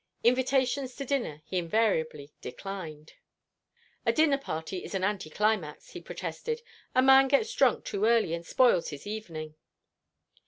Invitations to dinner he invariably declined. "A dinner party is an anti climax," he protested. "A man gets drunk too early, and spoils his evening."